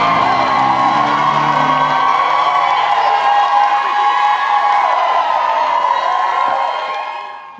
ได้ครับ